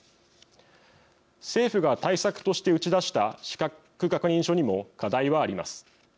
政府が対策として打ち出した資格確認書にも課題はあります。